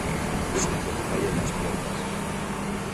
sin que me fallen las piernas.